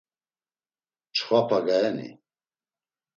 Mçxapa gayeni?